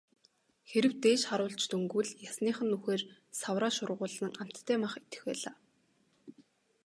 Хэрэв дээш харуулж дөнгөвөл ясных нь нүхээр савраа шургуулан амттай мах идэх байлаа.